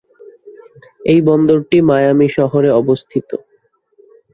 এই বন্দরটি মায়ামি শহরে অবস্থিত।